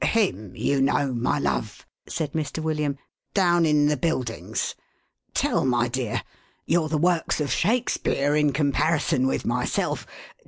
" Him, you know, my love," said Mr. William. " Down in the Buildings. Tell, my dear ! You're the works of Shak speare in comparison with myself.